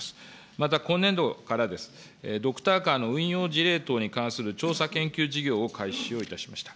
また今年度からです、ドクターカーの運用事例等に関する調査研究事業を開始をいたしました。